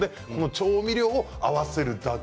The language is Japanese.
調味料を合わせるだけ。